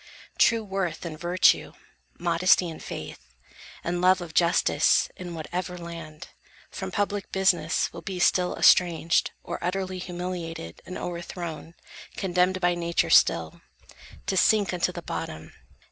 True worth and virtue, modesty and faith, And love of justice, in whatever land, From public business will be still estranged, Or utterly humiliated and O'erthrown; condemned by Nature still, To sink unto the bottom.